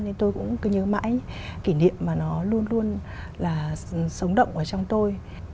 nên tôi cũng cứ nhớ mãi kỷ niệm mà nó luôn luôn là sống động ở trong tôi